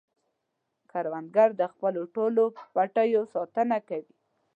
کروندګر د خپلو ټولو پټیو ساتنه کوي